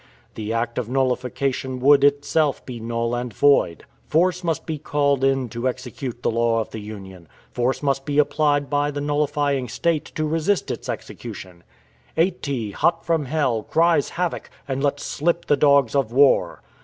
The act of nullification would itself be null and void. Force must be called in to execute the law of the Union. Force must be applied by the nullifying State to resist its execution "Ate, hot from Hell, Cries Havoc! and lets slip the dogs of war."